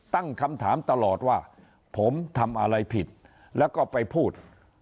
ตั้งคำถามตลอดว่าผมทำอะไรผิดแล้วก็ไปพูด